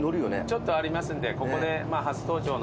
ちょっとありますんでここで。